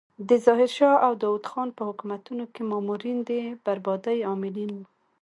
د ظاهر شاه او داود خان په حکومتونو کې مامورین د بربادۍ عاملین وو.